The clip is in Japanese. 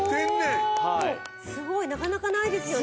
すごい！なかなかないですよね。